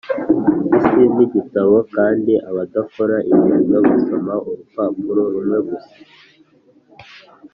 isi nigitabo kandi abadakora ingendo basoma urupapuro rumwe gusa.